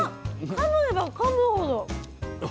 かめばかむほど。